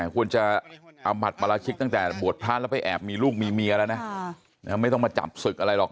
ควรจะอามัติปราชิกตั้งแต่บวชพระแล้วไปแอบมีลูกมีเมียแล้วนะไม่ต้องมาจับศึกอะไรหรอก